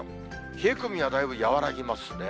冷え込みはだいぶ和らぎますね。